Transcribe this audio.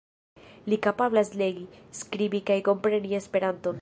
Li kapablas legi, skribi kaj kompreni Esperanton.